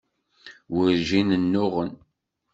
Werǧin nnuɣen.